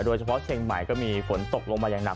โดยเฉพาะเชียงใหม่ก็มีฝนตกลงมาอย่างหนัก